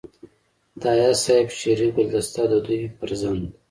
د اياز صيب شعري ګلدسته دَ دوي فرزند